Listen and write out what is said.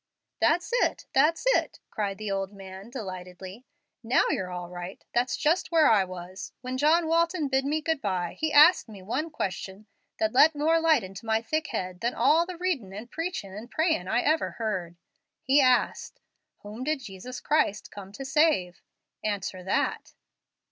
"That's it that's it," cried the old man, delightedly. "Now you're all right. That's just where I was. When John Walton bid me good by, he asked me one question that let more light into my thick head than all the readin' and preachin' and prayin' I ever heard. He asked, 'Whom did Jesus Christ come to save?' Answer that."